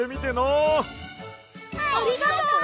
ありがとう！